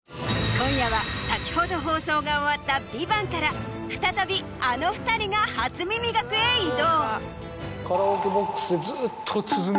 今夜は先ほど放送が終わった『ＶＩＶＡＮＴ』から再びあの２人が『初耳学』へ移動。